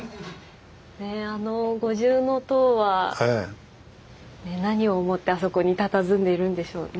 あの五重塔は何を思ってあそこにたたずんでいるんでしょうね。